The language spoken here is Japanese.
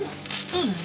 そうなの？